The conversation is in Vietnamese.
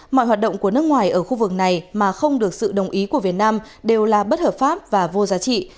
mọi hoạt động của nước ngoài ở khu vực này mà không được sự đồng ý của việt nam đều là bất hợp pháp và vô giá trị